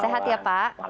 sehat ya pak